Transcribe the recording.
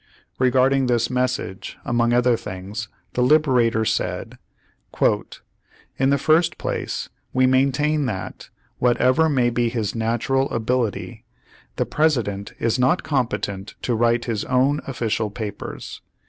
Regarding this message, among other things The Liberator said: "In the first place, we maintain that, whatever may be his natural ability, the President is not competent to write his own official papers.